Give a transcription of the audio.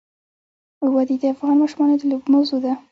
وادي د افغان ماشومانو د لوبو موضوع ده.